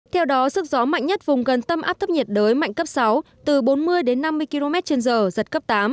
theo đó sức gió mạnh nhất vùng gần tâm áp thấp nhiệt đới mạnh cấp sáu từ bốn mươi đến năm mươi km trên giờ giật cấp tám